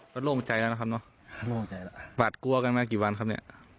บ้านโล่งใจแล้วนะครับบาดกลัวกันมากี่วันครับ